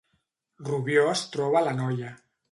Rubió es troba a l’Anoia